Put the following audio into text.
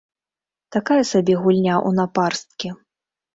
Такая сабе гульня ў напарсткі.